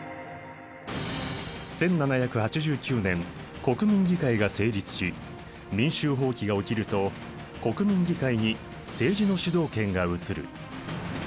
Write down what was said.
１７８９年国民議会が成立し民衆蜂起が起きると国民議会に政治の主導権が移る。